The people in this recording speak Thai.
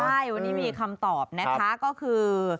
ใช่วันนี้มีคำตอบนะคะก็คือ